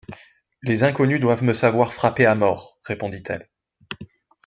Les inconnus doivent me savoir frappée à mort, répondit-elle ;